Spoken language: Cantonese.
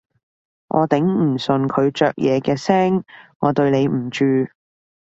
我頂唔順佢嚼嘢嘅聲，我對你唔住